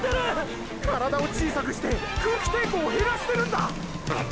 体を小さくして空気抵抗を減らしてるんだ！！